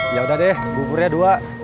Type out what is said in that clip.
yaudah deh buburnya dua